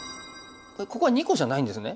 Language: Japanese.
ここは２個じゃないんですね。